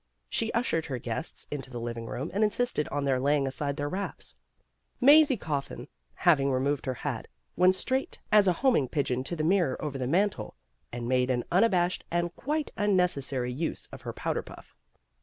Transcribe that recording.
She ushered her guests into the living room and insisted on their laying aside their wraps. Mazie Coffin Jiaving re moved her hat, went straight as a homing pigeon to the mirror over the mantel, and made an unabashed and quite unnecessary use of her powder puff.